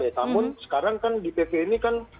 namun sekarang kan di pp ini kan